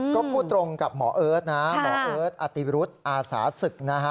ก็พูดตรงกับหมอเอิร์ทนะหมอเอิร์ทอติรุธอาสาศึกนะฮะ